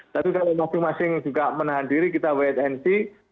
tapi kalau masing masing juga menahan diri kita wait and see